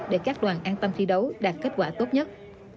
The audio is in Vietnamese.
để các đoàn an tâm thi đấu đạt kết quả tốt nhất